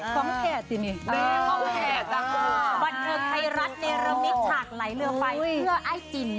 กับเพลงนี้เลยคอยอ้ายไหลเรือไฟ